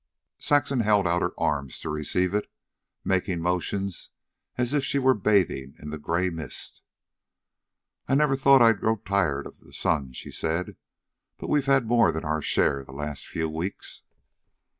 Saxon held out her arms to receive it, making motions as if she were bathing in the gray mist. "I never thought I'd grow tired of the sun," she said; "but we've had more than our share the last few weeks."